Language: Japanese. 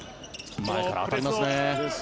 前から当たりますね。